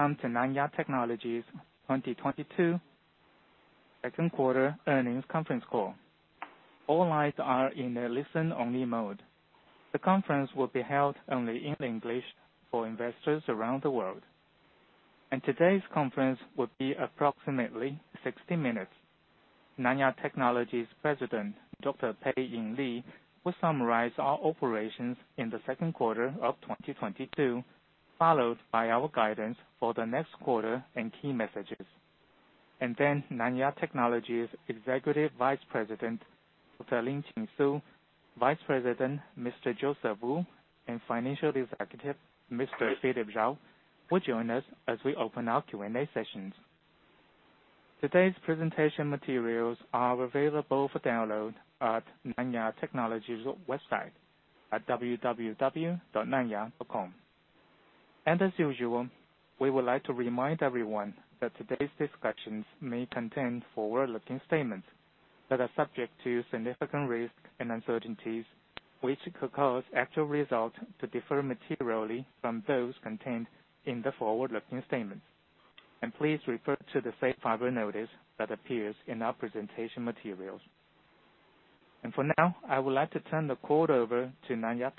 Welcome to Nanya Technology's 2022 second quarter earnings conference call. All lines are in a listen-only mode. The conference will be held only in English for investors around the world. Today's conference will be approximately 60 minutes. Nanya Technology's President, Dr. Pei-Ing Lee, will summarize our operations in the second quarter of 2022, followed by our guidance for the next quarter and key messages. Then Nanya Technology's Executive Vice President, Dr. Lin-Chin Su, Vice President, Mr. Joseph Wu, and Financial Executive, Mr. Philip Jao, will join us as we open our Q&A sessions. Today's presentation materials are available for download at Nanya Technology's website at www.nanya.com. As usual, we would like to remind everyone that today's discussions may contain forward-looking statements that are subject to significant risks and uncertainties, which could cause actual results to differ materially from those contained in the forward-looking statements. Please refer to the safe harbor notice that appears in our presentation materials. For now, I would like to turn the call over to Nanya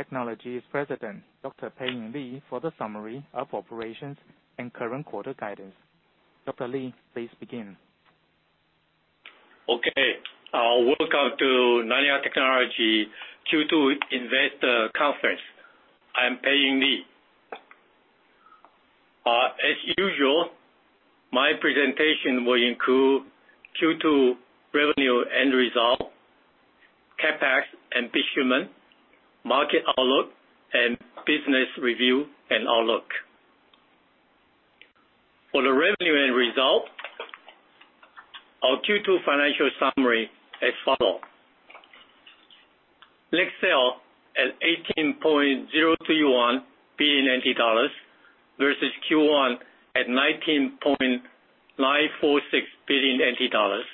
Technology's President, Dr. Pei-Ing Lee, for the summary of operations and current quarter guidance. Dr. Lee, please begin. Okay, welcome to Nanya Technology Q2 investor conference. I'm Pei-Ing Lee. As usual, my presentation will include Q2 revenue and result, CapEx and bit shipment, market outlook, and business review and outlook. For the revenue and result, our Q2 financial summary as follow. Net sale at 18.031 billion NT dollars versus Q1 at 19.946 billion NT dollars,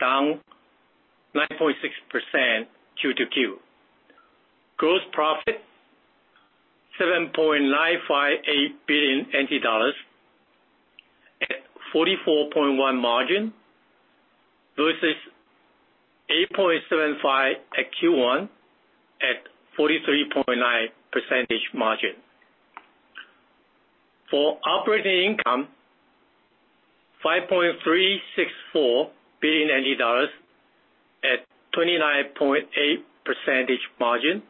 down 9.6% Q-to-Q. Gross profit TWD 7.958 billion at 44.1% margin versus 8.75 at Q1 at 43.9% margin. For operating income, TWD 5.364 billion at 29.8% margin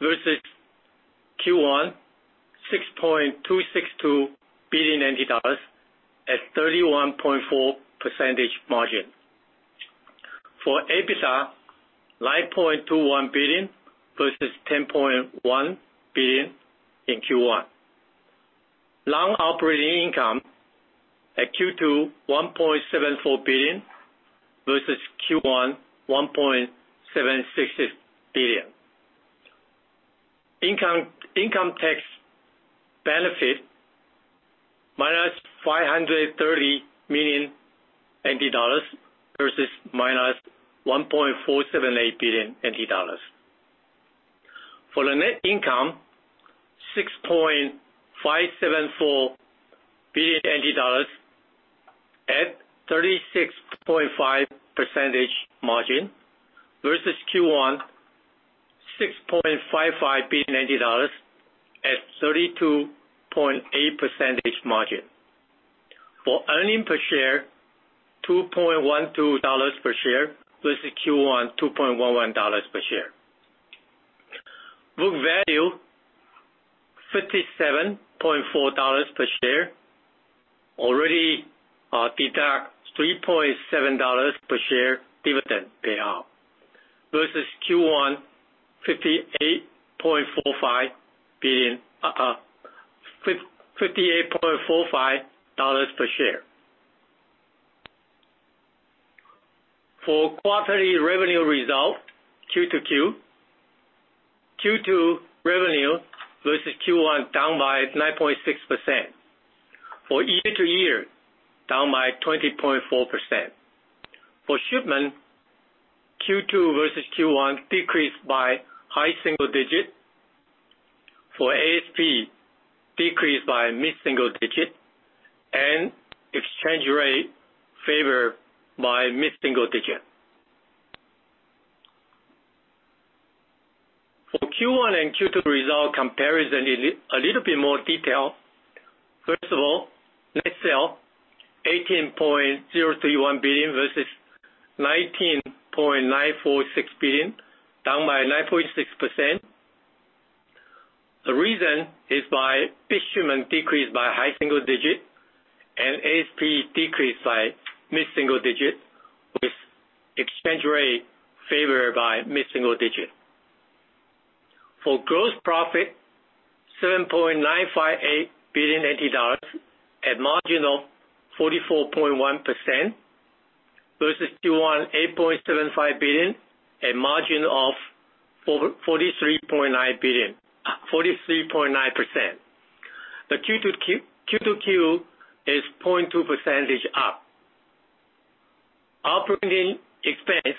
versus Q1, TWD 6.262 billion at 31.4% margin. For EBITDA, 9.21 billion versus 10.1 billion in Q1. Non-operating income at Q2, 1.74 billion versus Q1, 1.76 billion. Income tax benefit, -530 million NT dollars versus -1.478 billion NT dollars. For the net income, 6.574 billion NT dollars at 36.5% margin, versus Q1, TWD 6.55 billion at 32.8% margin. For earnings per share, 2.12 dollars per share versus Q1, 2.11 dollars per share. Book value 57.4 dollars per share, already deduct 3.7 dollars per share dividend payout, versus Q1, TWD 58.45 per share. For quarterly revenue result, Q2 revenue versus Q1, down by 9.6%. Year-over-year, down 20.4%. For shipment, Q2 versus Q1 decreased by high single digit. For ASP, decreased by mid-single digit. Exchange rate favored by mid-single digit. For Q1 and Q2 results comparison in a little bit more detail. First of all, net sales 18.031 billion versus 19.946 billion, down 9.6%. The reason is bit shipment decreased by high single digit and ASP decreased by mid-single digit, with exchange rate favored by mid-single digit. For gross profit, 7.958 billion at margin of 44.1% versus Q1 8.75 billion at margin of 43.9%. Q-to-Q is 0.2% up. Operating expense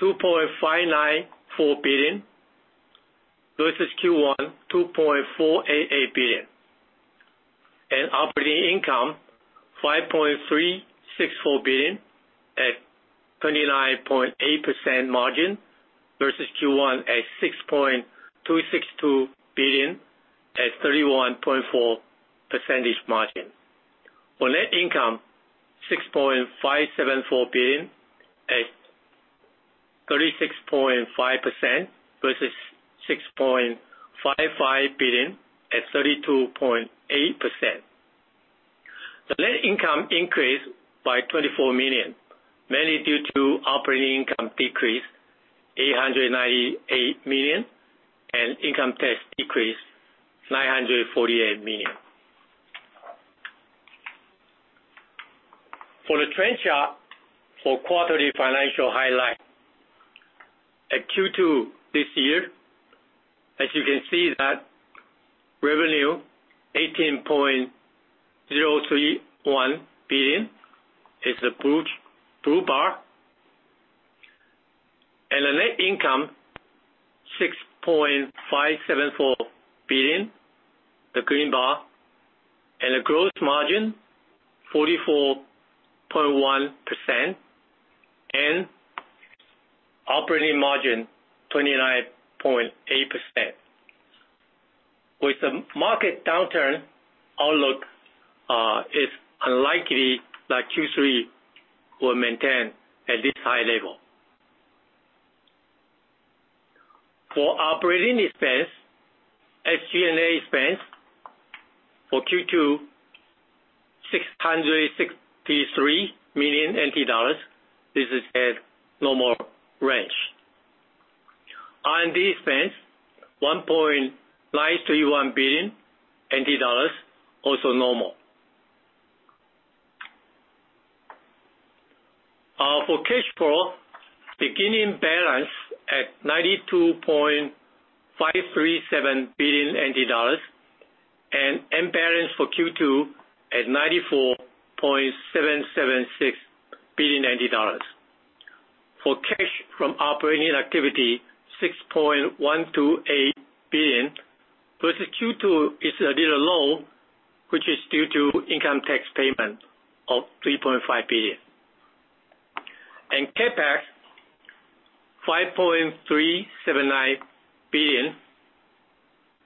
2.594 billion versus Q1 2.488 billion. Operating income 5.364 billion at 29.8% margin versus Q1 TWD 6.262 billion at 31.4% margin. Net income TWD 6.574 billion at 36.5% versus TWD 6.55 billion at 32.8%. Net income increased by 24 million, mainly due to operating income decrease 898 million and income tax decrease 948 million. For the trend chart for quarterly financial highlight at Q2 this year, as you can see that revenue 18.031 billion is the blue bar. The net income 6.574 billion, the green bar, and the gross margin 44.1% and operating margin 29.8%. With the market downturn outlook, it is unlikely that Q3 will maintain at this high level. For operating expense, SG&A expense for Q2, 663 million NT dollars. This is at normal range. R&D expense 1.931 billion NT dollars, also normal. For cash flow, beginning balance at 92.537 billion NT dollars and end balance for Q2 at 94.776 billion NT dollars. For cash from operating activity, 6.128 billion versus Q2 is a little low, which is due to income tax payment of 3.5 billion. CapEx, 5.379 billion,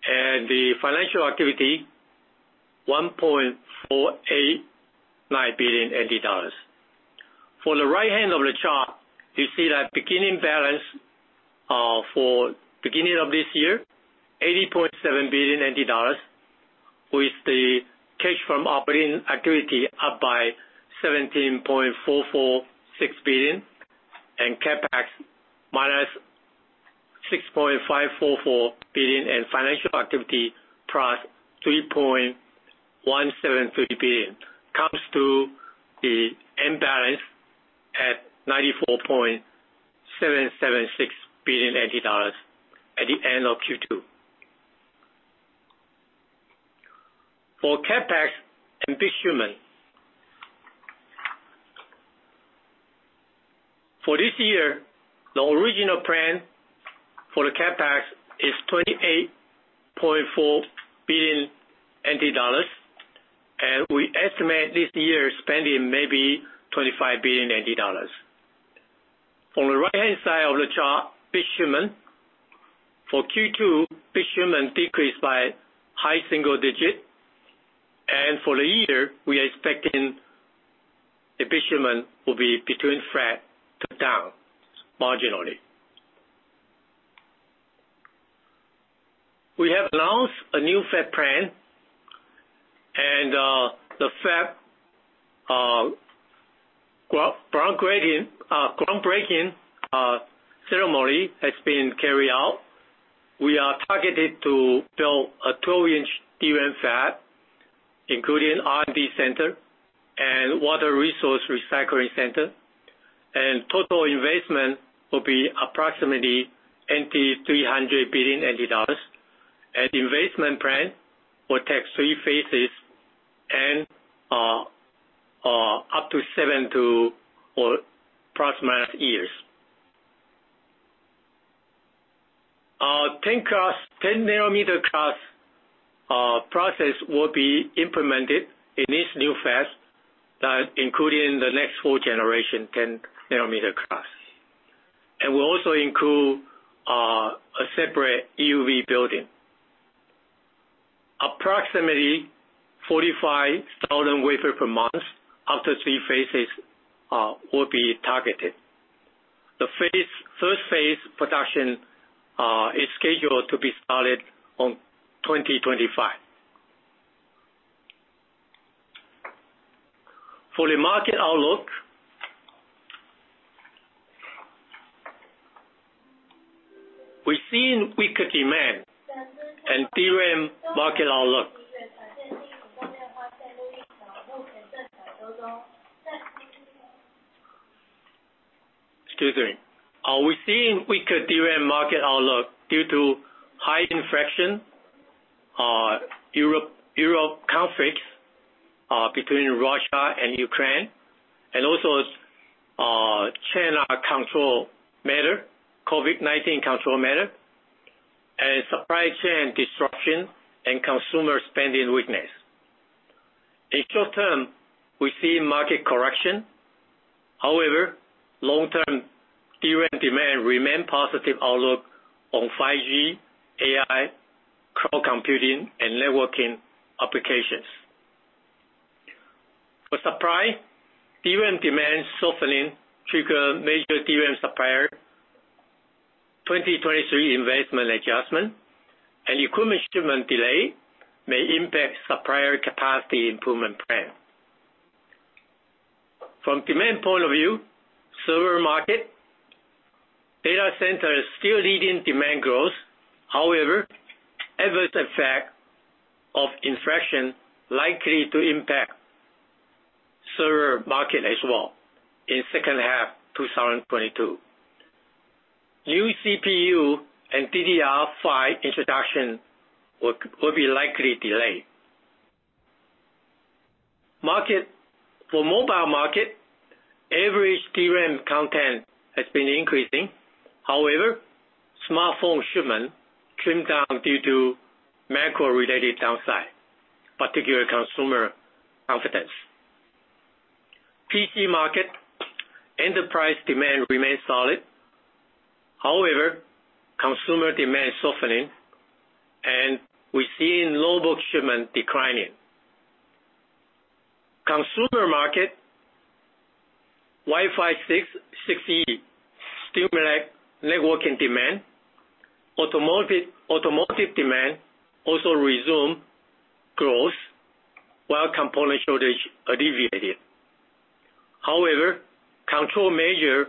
and the financial activity 1.489 billion NT dollars. For the right hand of the chart, you see that beginning balance for beginning of this year, 80.7 billion NT dollars, with the cash from operating activity up by 17.446 billion and CapEx minus 6.544 billion and financial activity plus 3.173 billion, comes to the end balance at 94.776 billion at the end of Q2. For CapEx and bit shipment. For this year, the original plan for the CapEx is 28.4 billion NT dollars, and we estimate this year spending maybe 25 billion NT dollars. On the right-hand side of the chart, bit shipment. For Q2, bit shipment decreased by high single digit, and for the year, we are expecting the bit shipment will be between flat to down marginally. We have launched a new fab plant, and the fab groundbreaking ceremony has been carried out. We are targeted to build a 12-inch DRAM fab, including R&D center and water resource recycling center. Total investment will be approximately 300 billion. Investment plan will take three phases and up to seven to eight, or approximately 7 years. 10nm-class process will be implemented in this New Fab that including the next-generation 10nm-class. Will also include a separate EUV building. Approximately 45,000 wafers per month after three phases will be targeted. The third phase production is scheduled to be started on 2025. For the market outlook. We've seen weaker demand and DRAM market outlook. We're seeing weaker DRAM market outlook due to high inflation, conflict between Russia and Ukraine, and also China control measure, COVID-19 control measure and supply chain disruption and consumer spending weakness. In short term, we see market correction. However, long-term DRAM demand remain positive outlook on 5G, AI, cloud computing and networking applications. For supply, DRAM demand softening trigger major DRAM supplier 2023 investment adjustment and equipment shipment delay may impact supplier capacity improvement plan. From demand point of view, server market, data center is still leading demand growth. However, adverse effect of inflation likely to impact server market as well in second half 2022. New CPU and DDR5 introduction will be likely delayed. Market. For mobile market, average DRAM content has been increasing. However, smartphone shipment trimmed down due to macro-related downside, particularly consumer confidence. PC market, enterprise demand remains solid. However, consumer demand softening, and we're seeing notebook shipment declining. Consumer market, Wi-Fi 6, Wi-Fi 6E stimulate networking demand. Automotive, automotive demand also resume growth while component shortage alleviated. However, control measures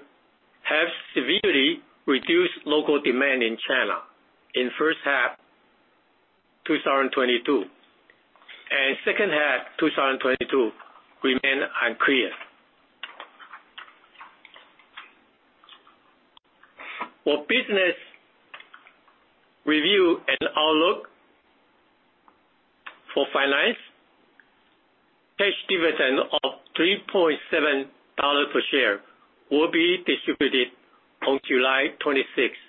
have severely reduced local demand in China in first half 2022. Second half 2022 remain unclear. For business review and outlook. For finance, cash dividend of 3.7 dollars per share will be distributed on July 26th,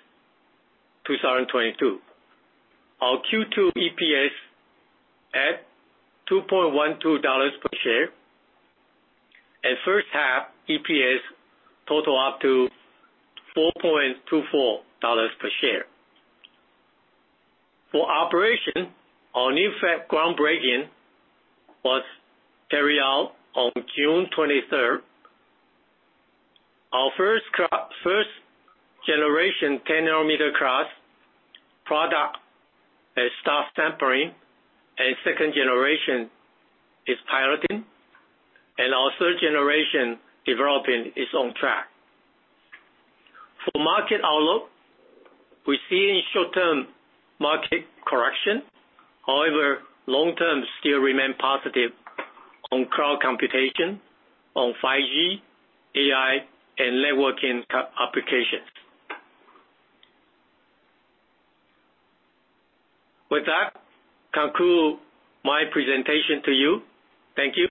2022. Our Q2 EPS at 2.12 dollars per share and first half EPS total up to 4.24 dollars per share. For operation, our New Fab groundbreaking was carried out on June 23rd. Our first generation 10nm-class product has started sampling and second generation is piloting and our third generation development is on track. For market outlook, we're seeing short-term market correction. However, long-term still remains positive on cloud computing, on 5G, AI and networking applications. With that conclude my presentation to you. Thank you.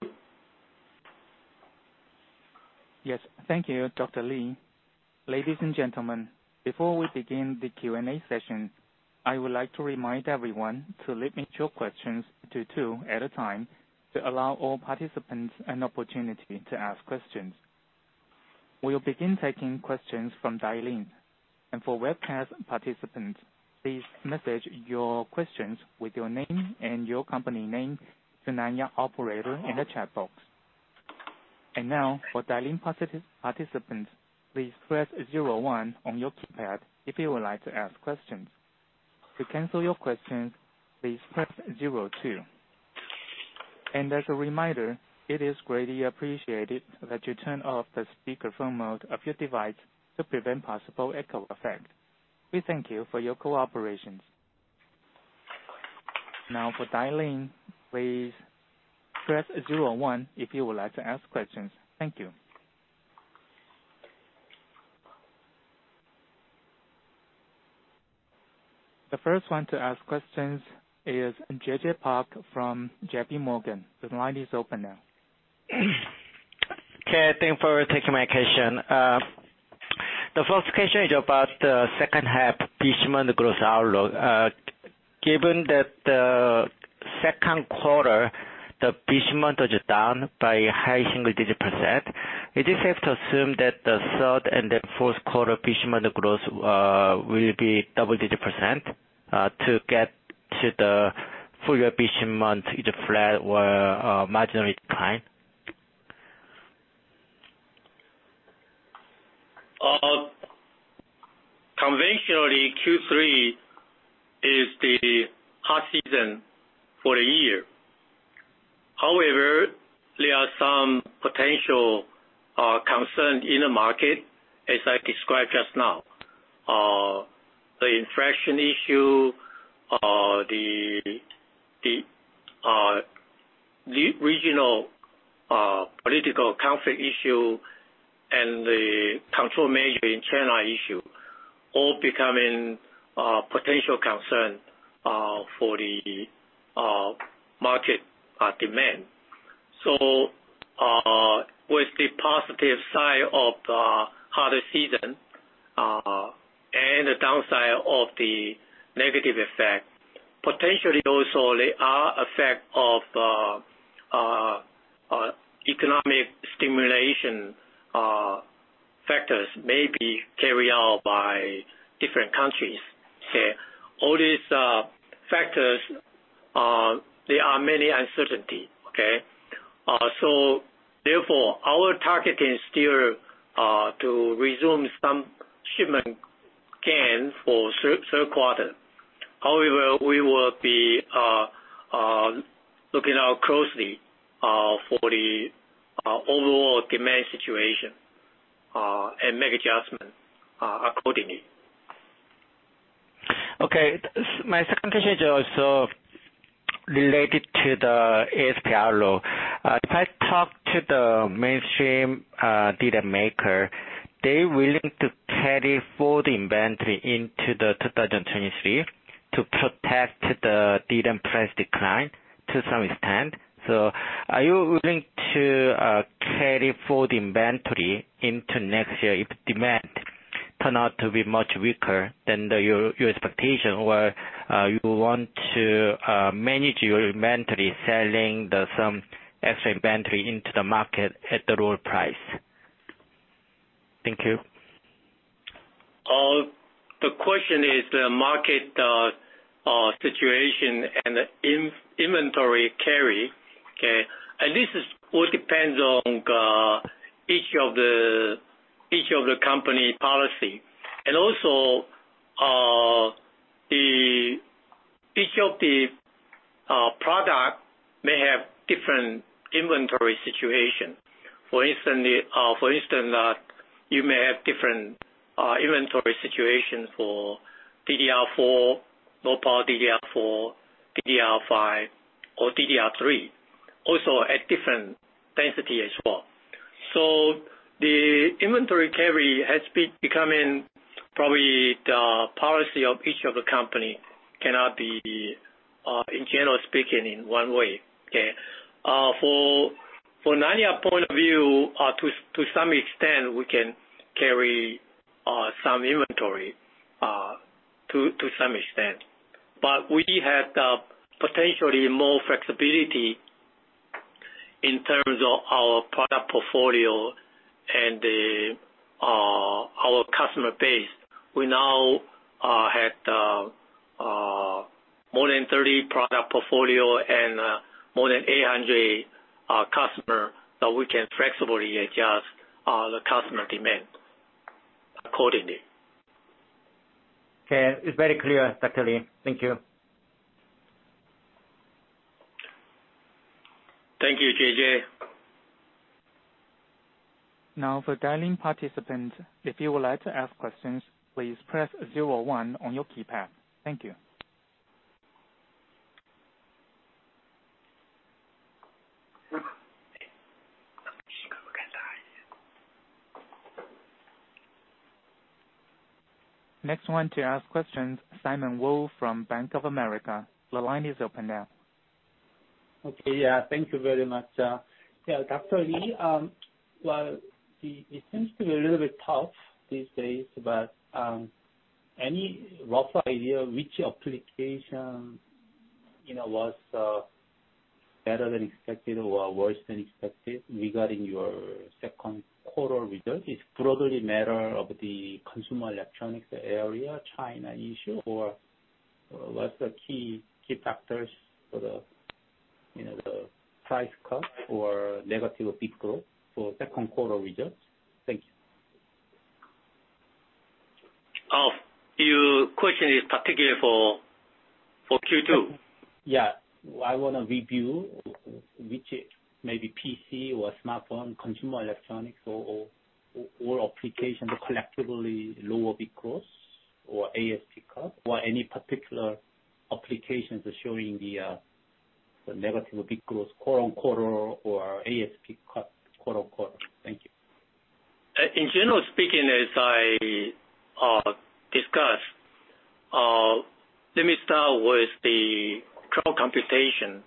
Yes. Thank you, Dr. Lee. Ladies and gentlemen, before we begin the Q&A session, I would like to remind everyone to limit your questions to two at a time to allow all participants an opportunity to ask questions. We'll begin taking questions from dial-in. For webcast participants, please message your questions with your name and your company name to Nanya operator in the chat box. Now for dial-in participants, please press zero one on your keypad if you would like to ask questions. To cancel your questions, please press zero two. As a reminder, it is greatly appreciated that you turn off the speakerphone mode of your device to prevent possible echo effect. We thank you for your cooperation. Now for dial-in, please press zero one if you would like to ask questions. Thank you. The first one to ask questions is JJ Park from JPMorgan. The line is open now. Okay, thanks for taking my question. The first question is about the second half shipment growth outlook. Given that the second quarter shipment was down by high single-digit percent, is it safe to assume that the third and the fourth quarter shipment growth will be double-digit percent, to get to the full year shipment, either flat or marginally decline? Conventionally, Q3 is the hot season for the year. However, there are some potential concern in the market as I described just now. The inflation issue, the regional political conflict issue and the control measure in China issue all becoming potential concern for the market demand. With the positive side of the hotter season and the downside of the negative effect, potentially also there are effect of economic stimulation factors may be carried out by different countries. Say, all these factors there are many uncertainty. Therefore, our target is still to resume some shipment gain for third quarter. However, we will be looking out closely for the overall demand situation and make adjustment accordingly. Okay. My second question is also related to the ASP outlook. If I talk to the mainstream DRAM maker, they willing to carry forward inventory into 2023 to protect the DRAM price decline to some extent. Are you willing to carry forward inventory into next year if demand turn out to be much weaker than your expectation? Or you want to manage your inventory, selling some extra inventory into the market at the lower price? Thank you. The question is the market situation and inventory carry. Okay? This is all depends on each of the company policy. Each of the product may have different inventory situation. For instance, you may have different inventory situation for DDR4, low power DDR4, DDR5 or DDR3. Also at different density as well. The inventory carry has becoming probably the policy of each of the company cannot be in general speaking in one way. Okay? For Nanya point of view, to some extent, we can carry some inventory to some extent. We have the potentially more flexibility in terms of our product portfolio and our customer base. We now have the more than 30 product portfolio and more than 800 customer that we can flexibly adjust the customer demand accordingly. Okay. It's very clear, Dr. Lee. Thank you. Thank you, JJ. Now, for dialing participants, if you would like to ask questions, please press zero one on your keypad. Thank you. Next one to ask questions, Simon Woo from Bank of America. The line is open now. Okay. Yeah, thank you very much, yeah. Dr. Lee, well, it seems to be a little bit tough these days, but, any rough idea which application, you know, was better than expected or worse than expected regarding your second quarter result? It's probably matter of the consumer electronics area, China issue, or what's the key factors for the, you know, the price cut or negative bit growth for second quarter results? Thank you. Your question is particularly for Q2? Yeah. I wanna review which maybe PC or smartphone, consumer electronics or application collectively lower bit growth or ASP cut, or any particular applications are showing the negative bit growth quarter-on-quarter or ASP cut quarter-on-quarter. Thank you. In general speaking, as I discuss, let me start with the cloud computing.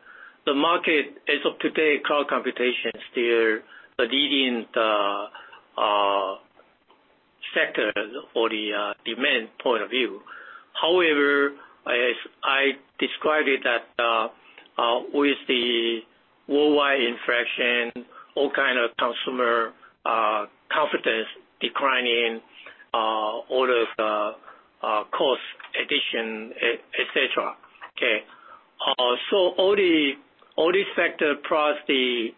The market as of today, cloud computing is still the leading sector for the demand point of view. However, as I described it that, with the worldwide inflation, all kinds of consumer confidence declining, all of the cost inflation, et cetera. Okay? So all these factors plus the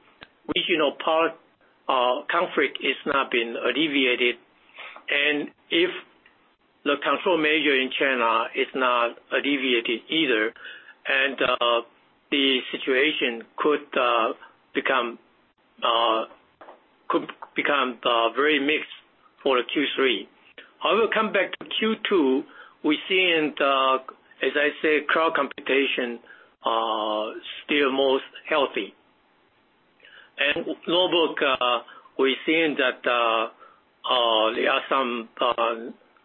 regional geopolitical conflict has not been alleviated. If the control measures in China are not alleviated either, the situation could become very mixed for Q3. I will come back to Q2. We're seeing that, as I say, cloud computing still most healthy. Notebook, we're seeing that there are some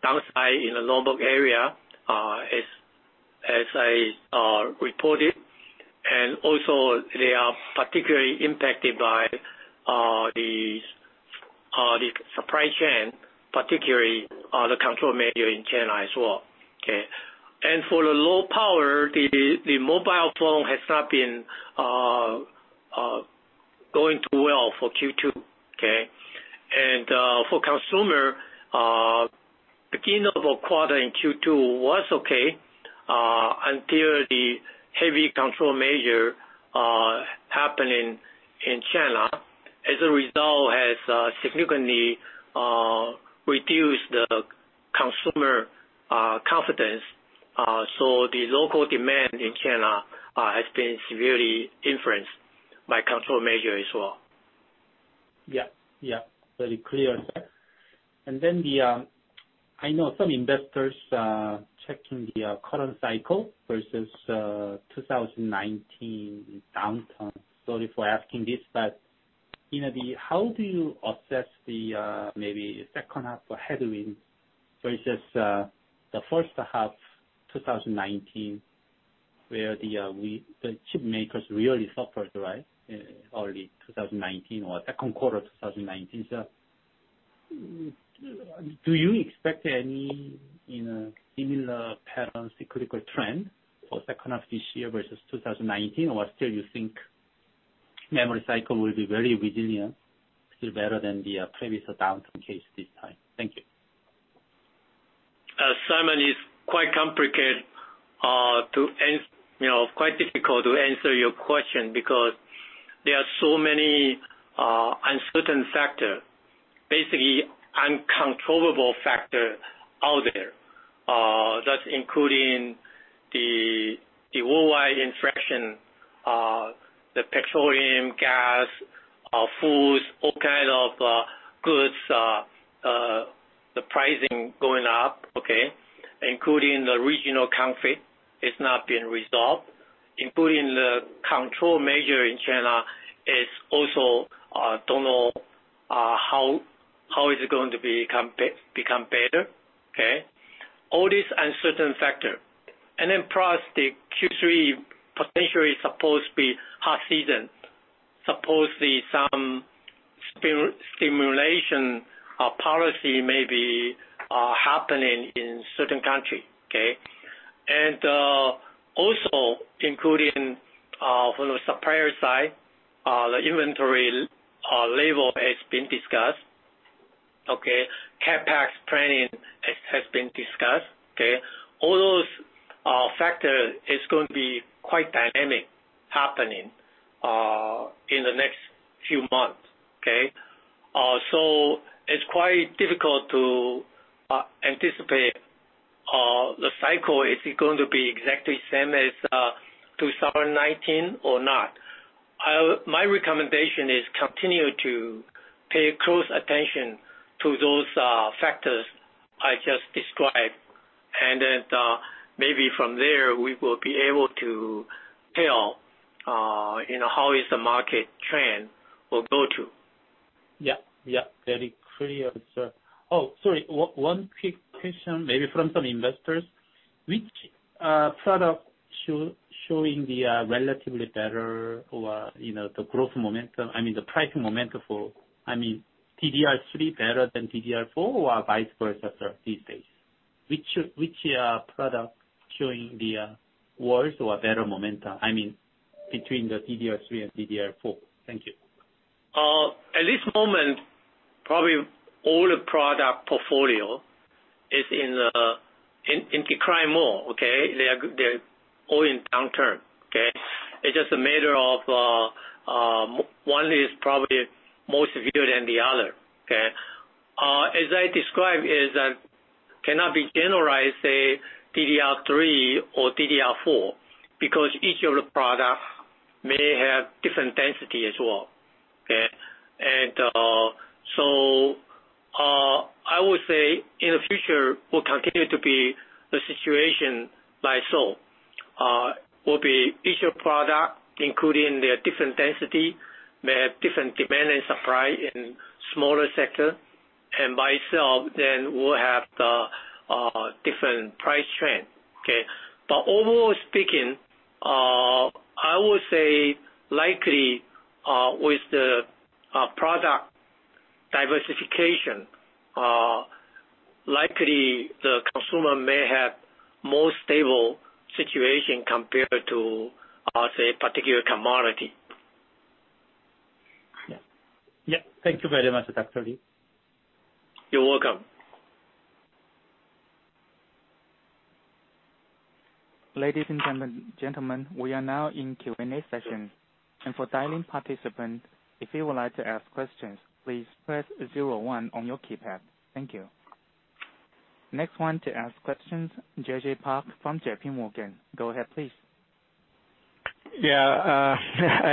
downside in the notebook area, as I reported. They are particularly impacted by the supply chain, particularly the control measure in China as well. Okay. For the low power, the mobile phone has not been going too well for Q2. Okay. For consumer, beginning of quarter in Q2 was okay until the heavy control measure happened in China, as a result has significantly reduced the consumer confidence. The local demand in China has been severely influenced by control measure as well. Yeah. Yeah, very clear. Then I know some investors checking the current cycle versus 2019 downturn. Sorry for asking this, but you know, how do you assess the maybe second half of headwind versus the first half, 2019, where the chip makers really suffered, right? Early 2019 or second quarter 2019. Do you expect any, you know, similar patterns, cyclical trend for second half this year versus 2019? Or still you think memory cycle will be very resilient, still better than the previous downturn case this time? Thank you. Simon, it's quite complicated, you know, quite difficult to answer your question because there are so many uncertain factor. Basically, uncontrollable factor out there, that's including the worldwide inflation, the petroleum, gas, foods, all kind of goods. The pricing going up, okay? Including the regional conflict, it's not been resolved. Including the control measure in China is also don't know how it's going to become better, okay? All these uncertain factor. Then plus the Q3 potentially supposed to be hot season, supposedly some stimulus policy may be happening in certain country, okay? Also including from the supplier side, the inventory level has been discussed, okay? CapEx planning has been discussed, okay? All those factors are going to be quite dynamic, happening in the next few months, okay? It's quite difficult to anticipate the cycle. Is it going to be exactly the same as 2019 or not? My recommendation is to continue to pay close attention to those factors I just described. Then, maybe from there we will be able to tell, you know, how the market trend will go. Yeah. Yeah, very clear, sir. Oh, sorry, one quick question, maybe from some investors. Which product showing the relatively better or, you know, the growth momentum, I mean the price momentum for, I mean DDR3 better than DDR4 or vice versa, sir, these days? Which product showing the worse or better momentum? I mean between the DDR3 and DDR4. Thank you. At this moment, probably all the product portfolio is in decline mode, okay? They're all in downturn, okay? It's just a matter of one is probably more severe than the other, okay? As I described is cannot be generalized, say DDR3 or DDR4, because each of the product may have different density as well, okay? I would say in the future will continue to be the situation like so. Will be each product, including the different density, may have different demand and supply in smaller sector. By itself then will have the different price trend. Okay? Overall speaking, I would say likely, with the product diversification, likely the consumer may have more stable situation compared to, say, particular commodity. Yeah. Thank you very much, Dr. Lee. You're welcome. Ladies and gentlemen, we are now in Q&A session. For dialing participants, if you would like to ask questions, please press zero one on your keypad. Thank you. Next one to ask questions, JJ Park from JP Morgan. Go ahead, please. I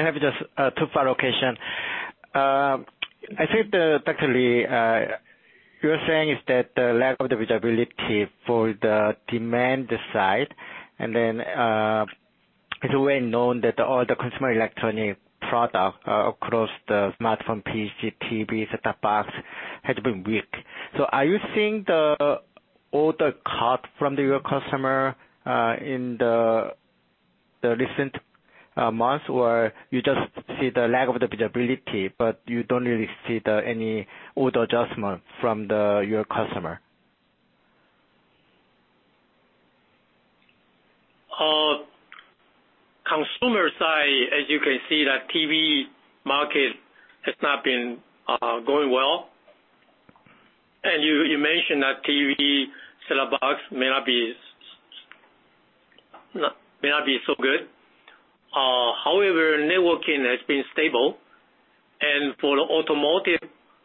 have just two follow-up questions. I think that actually, you're saying is that the lack of visibility for the demand side, and then, it's well known that all the consumer electronics products across the smartphones, PCs, TVs, set-top boxes have been weak. Are you seeing the order cuts from your customers in the recent months, or you just see the lack of visibility, but you don't really see any order adjustment from your customers? Consumer side, as you can see, the TV market has not been going well. You mentioned that TV set-top box may not be so good. However, networking has been stable. For automotive,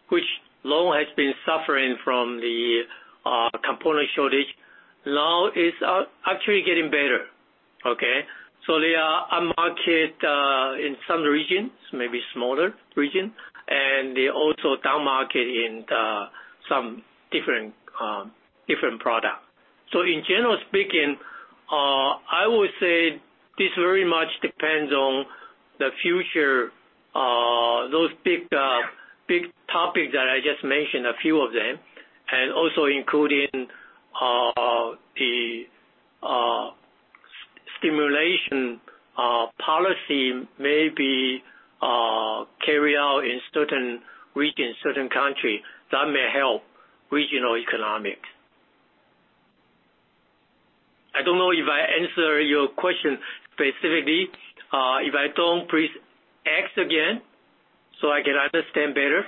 which has long been suffering from the component shortage, now is actually getting better, okay? They are upmarket in some regions, maybe smaller region, and they're also downmarket in some different product. In general speaking, I would say this very much depends on the future, those big, big topics that I just mentioned, a few of them, and also including, the, stimulation, policy may be, carry out in certain region, certain country, that may help regional economic. I don't know if I answer your question specifically. If I don't, please ask again, so I can understand better.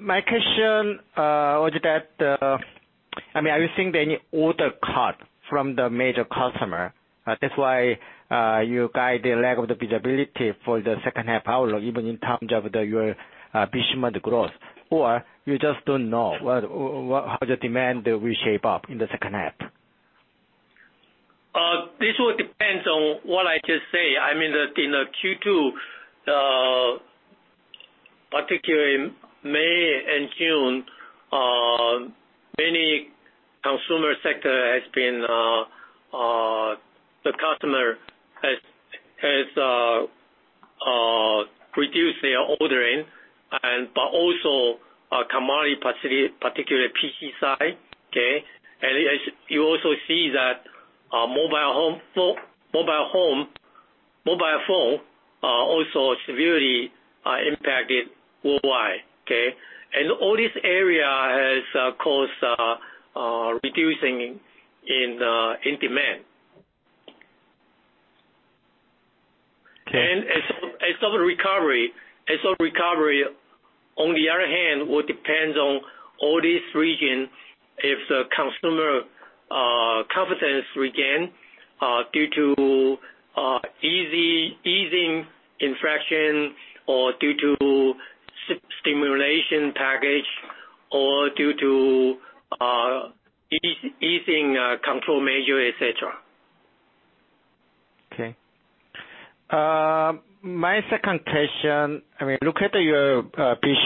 My question was that, I mean, are you seeing any order cut from the major customer, that's why you guide the lack of the visibility for the second half outlook, even in terms of your shipment growth? Or you just don't know how the demand will shape up in the second half? This will depend on what I just say. I mean, in the Q2, particularly May and June, many consumer sectors have been, the customers have reduced their ordering, but also, commodity, in particular PC side, okay? As you also see that, mobile phones are also severely impacted worldwide, okay? All these areas have caused reduction in demand. Okay. As for recovery, on the other hand, will depends on all these region, if the consumer confidence regain due to easing restrictions or due to stimulus package or due to easing control measure, et cetera. Okay. My second question, I mean, look at your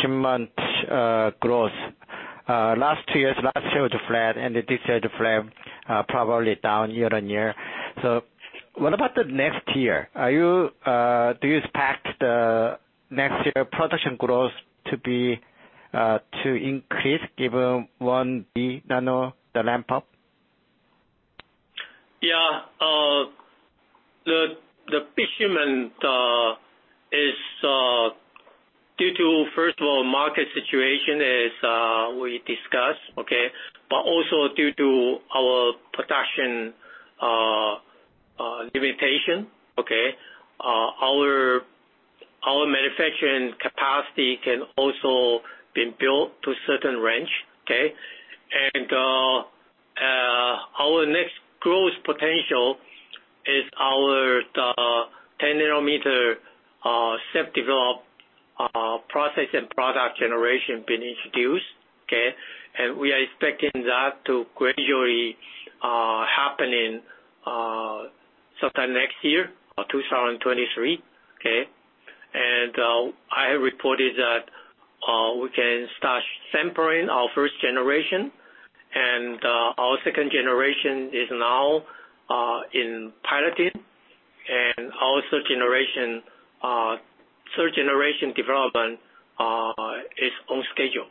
shipment growth. Last year was flat, and this year is flat, probably down year on year. What about the next year? Do you expect the next year production growth to be to increase given 1B nano, the ramp-up? Yeah. The shipment is due to, first of all, market situation as we discussed, okay? But also due to our production limitation, okay? Our manufacturing capacity can also been built to certain range, okay? Our next growth potential is the 10 nanometer self-developed process and product generation being introduced, okay? We are expecting that to gradually happen in sometime next year or 2023, okay? I have reported that we can start sampling our first generation, and our second generation is now in piloting. Our third generation development is on schedule.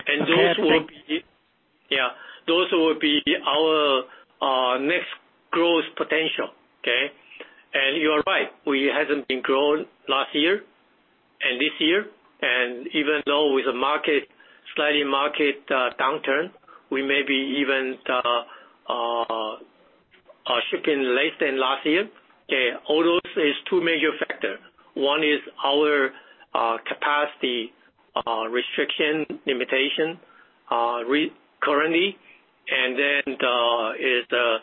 Okay. I think. Those will be our next growth potential, okay? You are right, we hasn't been grown last year and this year. Even though with the slight market downturn, we may be even shipping less than last year. Okay. All those is two major factor. One is our capacity restriction limitation currently. Then is the-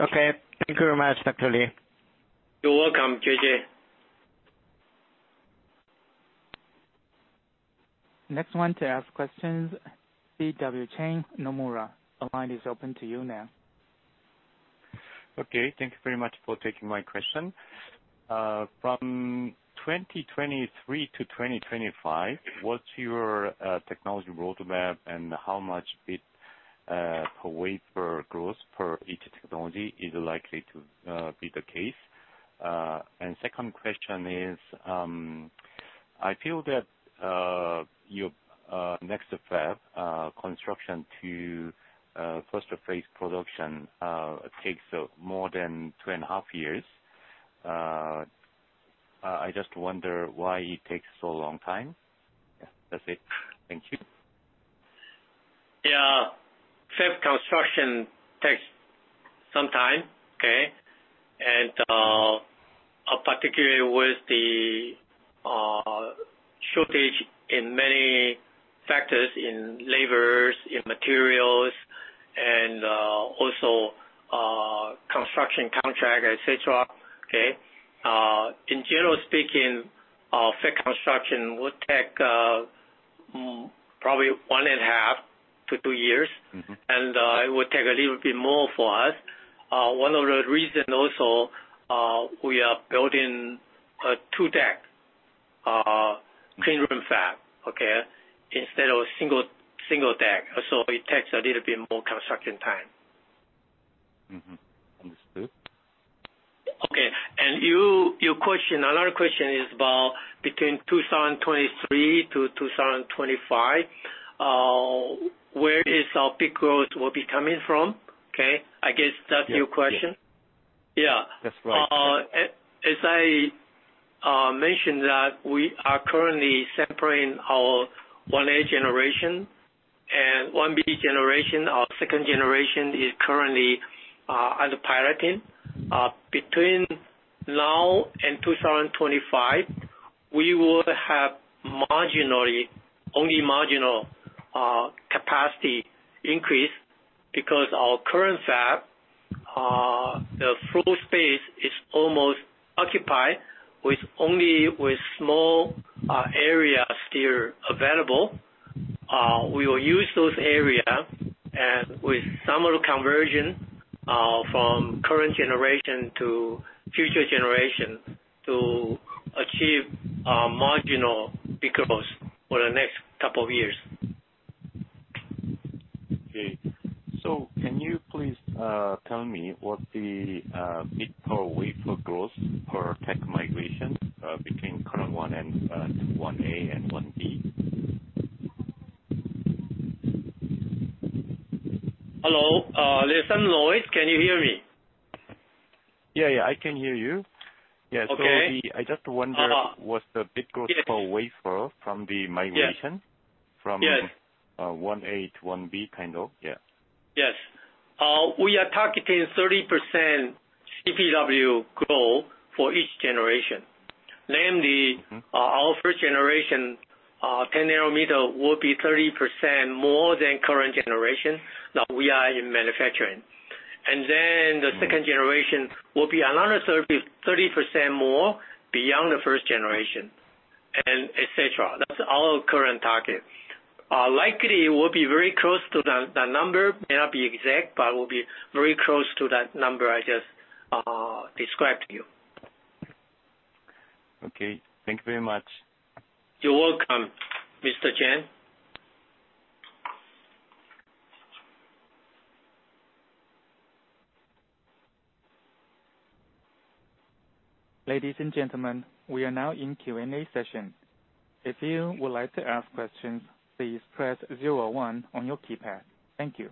Okay. Thank you very much, Dr. Lee. You're welcome, JJ. Next one to ask questions, BW Chang, Nomura. The line is open to you now. Okay, thank you very much for taking my question. From 2023 to 2025, what's your technology roadmap and how much bit per wafer growth per each technology is likely to be the case? Second question is, I feel that your New Fab construction to first phase production takes more than 2.5 years. I just wonder why it takes so long time. Yeah, that's it. Thank you. Yeah. Fab construction takes some time, okay? Particularly with the shortage in many factors, in labors, in materials, and also construction contract, et cetera, okay? In general speaking, fab construction would take probably 1.5-2 years. Mm-hmm. It would take a little bit more for us. One of the reason also, we are building a two-deck clean room fab, okay? Instead of single deck. It takes a little bit more construction time. Mm-hmm. Understood. Okay. You, your question, another question is about between 2023-2025, where is our big growth will be coming from? Okay? I guess that's your question. Yeah. Yeah. That's right. As I mentioned that we are currently sampling our 1A generation and 1B generation. Our second generation is currently under piloting. Between now and 2025, we will have marginal capacity increase because our current fab, the full space is almost occupied with only small areas still available. We will use those areas and with some of the conversion from current generation to future generation to achieve a marginal peak growth for the next couple of years. Okay. Can you please tell me what the bit per wafer growth per tech migration between current 1 and 1A and 1B? Hello? Listen, BW Chang, can you hear me? Yeah, yeah, I can hear you. Yeah. Okay. I just wonder what the bit growth per wafer from the migration? Yes. From 1A to 1B kind of? Yeah. Yes. We are targeting 30% CPW growth for each generation. Namely, our first generation 10nm will be 30% more than current generation that we are in manufacturing. The second generation will be another 30% more beyond the first generation, and et cetera. That's our current target. Likely, we'll be very close to the number. May not be exact, but will be very close to that number I just described to you. Okay, thank you very much. You're welcome, Mr. Chang. Ladies and gentlemen, we are now in Q&A session. If you would like to ask questions, please press zero one on your keypad. Thank you.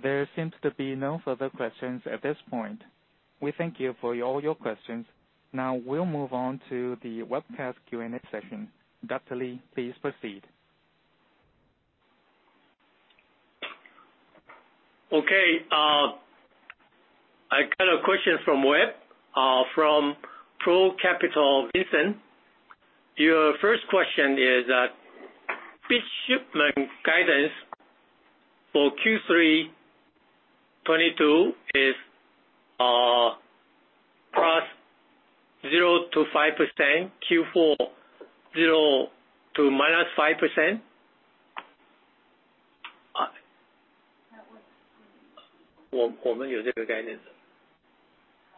There seems to be no further questions at this point. We thank you for all your questions. Now we'll move on to the webcast Q&A session. Dr. Lee, please proceed. Okay, I got a question from web, from ProCapital, Vincent. Your first question is that bit shipment guidance for Q3 2022 is +0%-5%, Q4 0% to -5%. Listen,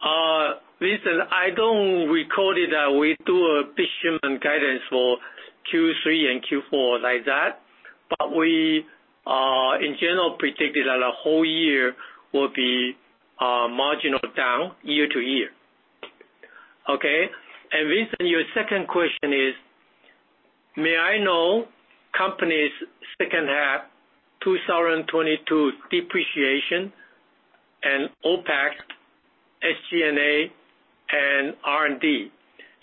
I don't recall that we do a bit shipment guidance for Q3 and Q4 like that, but we in general predicted that the whole year will be marginal down year-over-year. Okay? Vincent, your second question is, may I know company's second half 2022 depreciation and OpEx, SG&A, and R&D?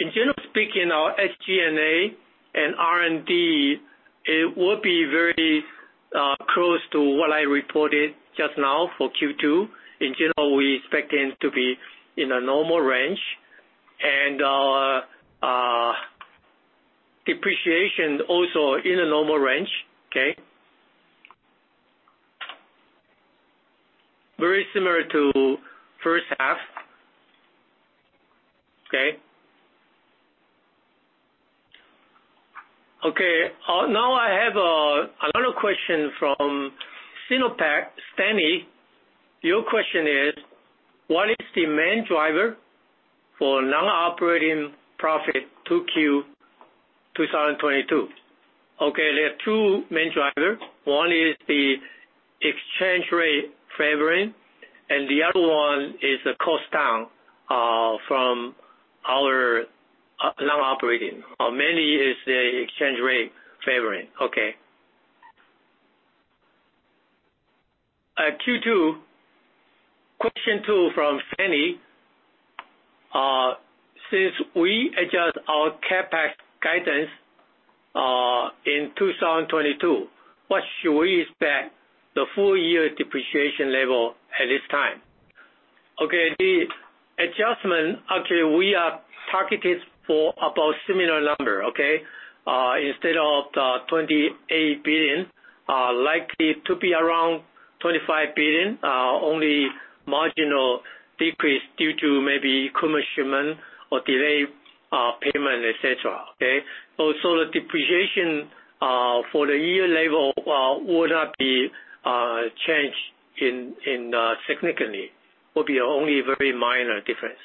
In general speaking, our SG&A and R&D it will be reported just now for Q2. In general, we expect to be in a normal range and depreciation also in a normal range. Okay? Very similar to first half. Okay? Okay. Now I have another question from SinoPac. Stanley, your question is, what is the main driver for non-operating profit 2Q 2022? There are two main driver. One is the exchange rate favoring, and the other one is the cost down from our non-operating. Or mainly is the exchange rate favoring. Q2 question 2 from Stanley. Since we adjust our CapEx guidance in 2022, what should we expect the full year depreciation level at this time? The adjustment, actually, we are targeted for about similar number. Instead of the 28 billion, likely to be around 25 billion, only marginal decrease due to maybe equipment shipment or delayed payment, et cetera. Also, the depreciation for the year level would not be changed significantly. Will be only a very minor difference.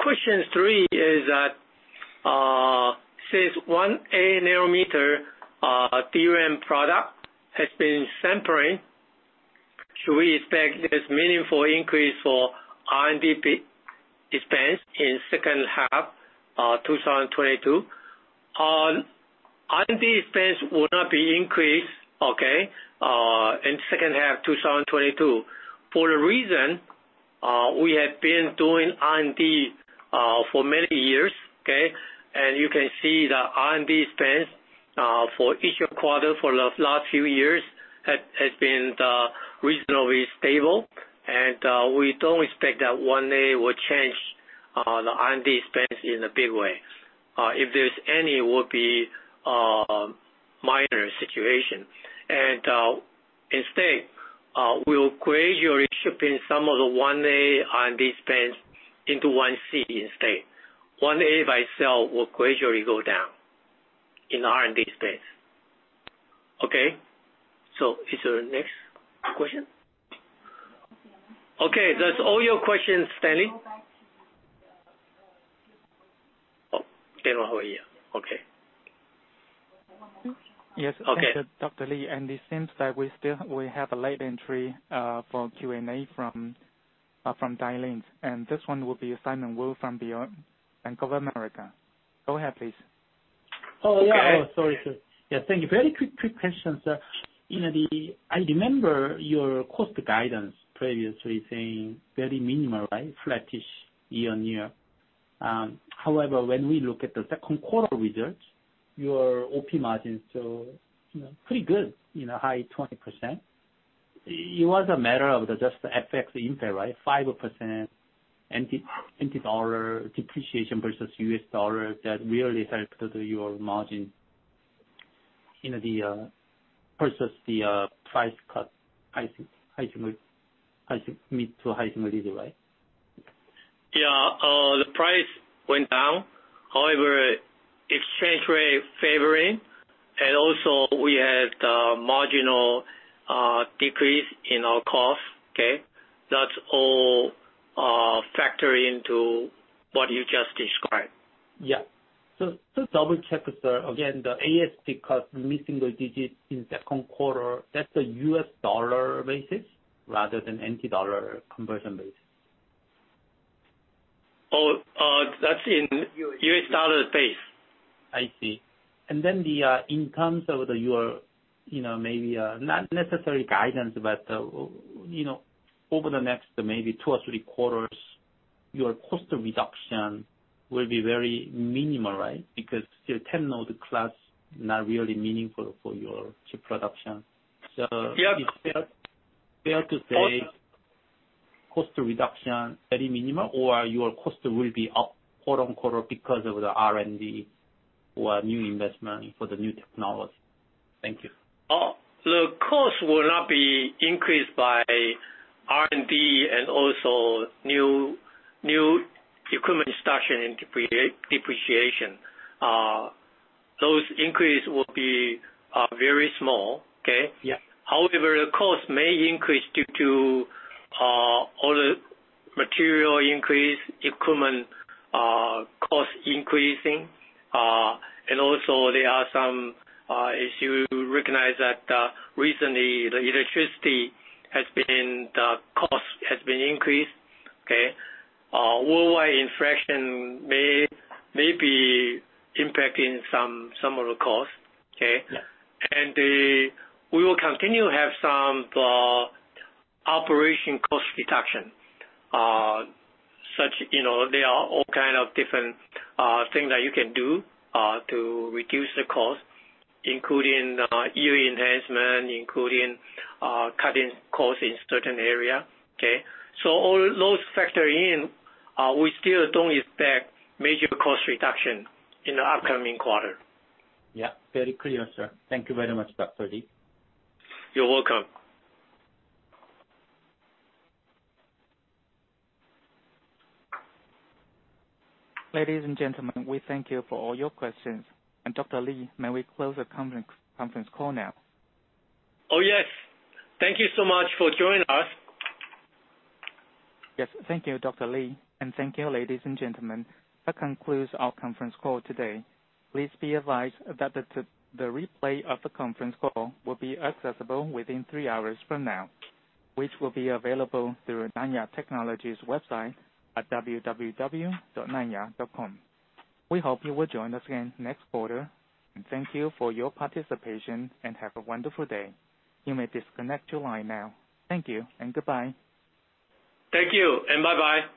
Question three is that since 1A nanometer DRAM product has been sampling, should we expect this meaningful increase for R&D expense in second half 2022? R&D expense will not be increased, okay, in second half 2022. For the reason, we have been doing R&D for many years, okay? You can see the R&D expense for each quarter for the last few years has been reasonably stable. We don't expect that 1A will change the R&D expense in a big way. If there's any, it would be minor situation. Instead, we'll gradually shifting some of the 1A R&D expense into 1C instead. 1A by itself will gradually go down in R&D expense. Okay? Is there a next question? Okay. That's all your questions, Stanley? Oh. Over here. Okay. One more question. Yes. Okay. Pei-Ing Lee, it seems that we still have a late entry for Q&A from dial-in. This one will be Simon Woo from Bank of America. Go ahead, please. Okay. Oh, yeah. Sorry, sir. Yes, thank you. Very quick question, sir. You know, I remember your cost guidance previously saying very minimal, right? Flattish year-on-year. However, when we look at the second quarter results, your OP margins still, you know, pretty good, you know, high 20%. It was a matter of just the FX impact, right? 5% NT dollar depreciation versus US dollar that really helped to your margin, you know, versus the price cut, high demand, high mid to high single-digit, right? Yeah. The price went down. However, exchange rate favoring, and also we had marginal decrease in our cost, okay? That's all factor into what you just described. Double check with the ASP cut mid-single digit in second quarter, that's a U.S. dollar basis rather than NT dollar conversion base. Oh, that's in- U.S. dollar. U.S. dollar basis. I see. In terms of your, you know, maybe not necessarily guidance, but you know, over the next maybe two or three quarters, your cost reduction will be very minimal, right? Because your 10nm-class not really meaningful for your chip production. Yeah. It's fair to say. Of course. Cost reduction very minimal or your cost will be up quarter-over-quarter because of the R&D or new investment for the new technology? Thank you. The cost will not be increased by R&D and also new equipment installation and depreciation. Those increases will be very small. Okay? Yeah. However, the cost may increase due to all the material increase, equipment, cost increasing, and also there are some issue. Recognize that, recently the electricity has been, the cost has been increased, okay? Worldwide inflation may be impacting some of the costs, okay? Yeah. We will continue to have some operating cost reduction. You know, there are all kinds of different things that you can do to reduce the cost, including yield enhancement, including cutting costs in certain areas. Okay? All those factors in, we still don't expect major cost reduction in the upcoming quarter. Yeah. Very clear, sir. Thank you very much, Dr. Lee. You're welcome. Ladies and gentlemen, we thank you for all your questions. Dr. Lee, may we close the conference call now? Oh, yes. Thank you so much for joining us. Yes. Thank you, Dr. Lee, and thank you, ladies and gentlemen. That concludes our conference call today. Please be advised that the replay of the conference call will be accessible within three hours from now, which will be available through Nanya Technology's website at www.nanya.com. We hope you will join us again next quarter. Thank you for your participation, and have a wonderful day. You may disconnect your line now. Thank you and goodbye. Thank you, and bye-bye.